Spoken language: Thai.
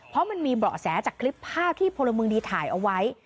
เพราะมันมีเบาะแสจากคลิปภาพที่พลเมืองดีถ่ายเอาไว้